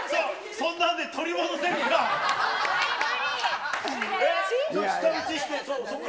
そんなんで取り戻せるか！